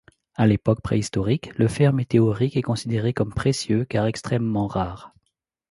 À l'époque préhistorique, le fer météorique est considéré comme précieux, car extrêmement rare.